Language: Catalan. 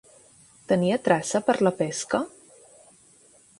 Tenia traça per la pesca?